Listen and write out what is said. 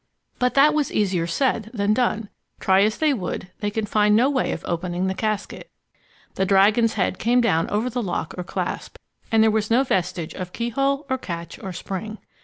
But that was easier said than done. Try as they would, they could find no way of opening the casket. The dragon's head came down over the lock or clasp, and there was no vestige of keyhole or catch or spring.